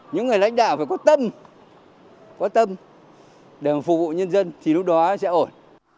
những người lãnh đạo phải có tâm có tâm để phục vụ nhân dân thì lúc đó sẽ ổn